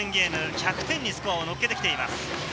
１００点にスコアを乗っけてきています。